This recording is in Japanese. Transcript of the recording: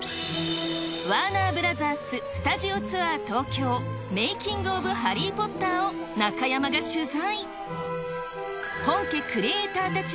ワーナーブラザーススタジオツアー東京・メイキング・オブ・ハリー・ポッターを中山が取材。